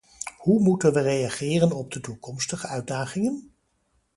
Hoe moeten we reageren op de toekomstige uitdagingen?